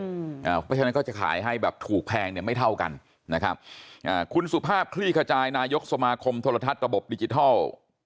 เพราะฉะนั้นก็จะขายให้แบบถูกแพงเนี่ยไม่เท่ากันนะครับอ่าคุณสุภาพคลี่ขจายนายกสมาคมโทรทัศน์ระบบดิจิทัล